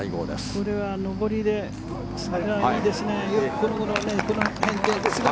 これは上りでいいですね。